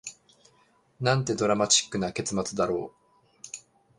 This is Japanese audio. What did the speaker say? なんてドラマチックな結末だろう